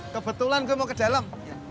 kebetulan gue mau ke dalam